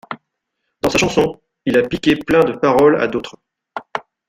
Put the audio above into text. Dans sa chanson il a piqué plein de paroles à d'autres.